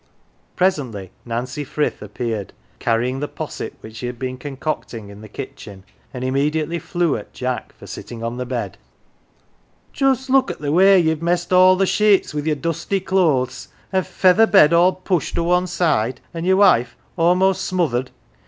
Presently Nancy Frith appeared, carrying the posset which she had been concocting in the kitchen, and immediately flew at Jack for sitting on the bed. " Just look at the way ye've messed all th' sheets wi' your dusty clothes ! An' feather bed all pushed o' wan side, an' your wife a'most smothered.